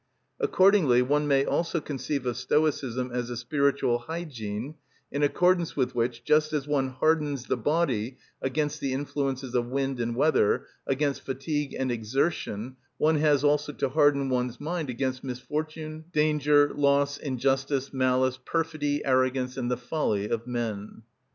Accordingly one may also conceive of Stoicism as a spiritual hygiene, in accordance with which, just as one hardens the body against the influences of wind and weather, against fatigue and exertion, one has also to harden one's mind against misfortune, danger, loss, injustice, malice, perfidy, arrogance, and the folly of men.